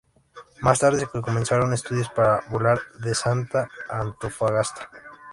Más tarde se comenzaron estudios para volar de Salta a Antofagasta.